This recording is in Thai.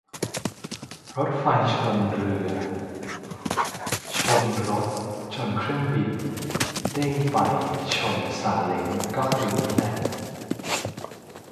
รถไฟชนเรือชนรถชนเครื่องบินเด้งไปชนซาเล้งก็คืนนี้แหละ